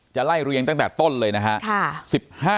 จะไล่เรียงตั้งแต่ต้นเลยนะฮะ